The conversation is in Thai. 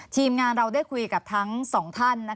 ทีมงานเราได้คุยกับทั้งสองท่าน